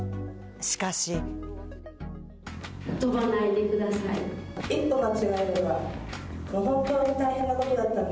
しかし。飛ばないでください。